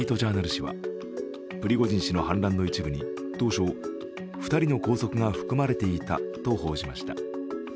紙は、プリゴジン氏の反乱の一部に当初２人の拘束が含まれていたと報じました。